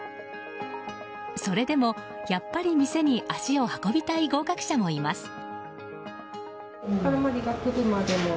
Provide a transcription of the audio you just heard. それでもやっぱり店に足を運びたい合格者もいます。